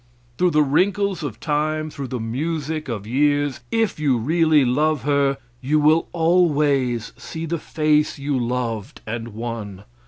Through the wrinkles of time, through the music of years, if you really love her, you will always see the face you loved and won.